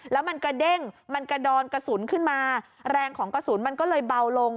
แล้วมันกระเด้งมันกระดอนกระสุนขึ้นมาแรงของกระสุนมันก็เลยเบาลง